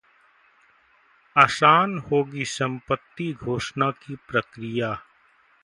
आसान होगी संपत्ति घोषणा की प्रक्रिया